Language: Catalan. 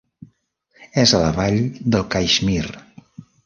És a la vall del Caixmir.